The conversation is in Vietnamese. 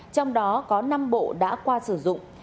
trong đó có năm bộ đã qua sử dụng